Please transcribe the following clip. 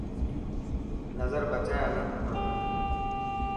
نظر بچائي هلڙڻ کپي.